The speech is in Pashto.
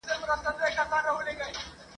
خړي وریځي به رخصت سي نور به نه وي توپانونه !.